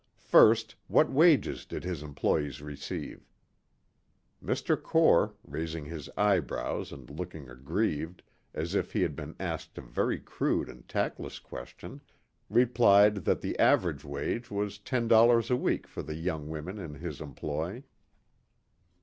First, what wages did his employes' receive. Mr. Core, raising his eyebrows and looking aggrieved as if he had been asked a very crude and tactless question, replied that the average wage was $10 a week for the young women in his employ.